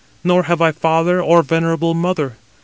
Nor have I father or venerable mother.